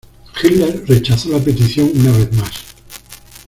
Hitler rechazó la petición una vez más.